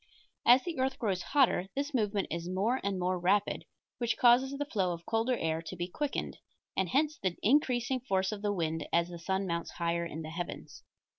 As the earth grows hotter this movement is more and more rapid, which causes the flow of colder air to be quickened, and hence the increasing force of the wind as the sun mounts higher in the heavens.